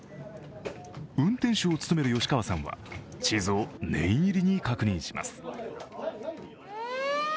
運転手を務める吉川さんは、地図を念入りに確認します。